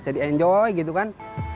jadi enjoy gitu kan